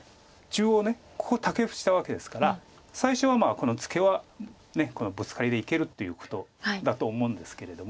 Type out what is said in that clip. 中央ここタケフしたわけですから最初はこのツケはこのブツカリでいけるっていうことだと思うんですけれども。